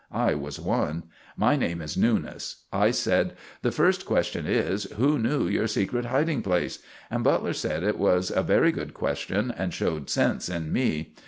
I was one. My name is Newnes. I said: "The first question is, Who knew your secret hiding place?" and Butler said it was a very good question and showed sense in me.